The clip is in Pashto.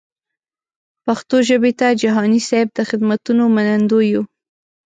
پښتو ژبې ته جهاني صېب د خدمتونو منندوی یو.